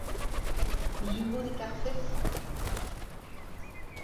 sur out e karfe.